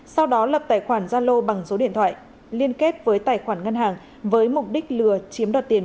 sau đó lập tài khoản gia lô bằng số điện thoại liên kết với tài khoản ngân hàng với mục đích lừa chiếm đoạt tiền